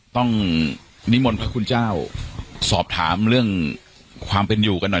ต้องนิมนต์พระคุณเจ้าสอบถามเรื่องความเป็นอยู่กันหน่อย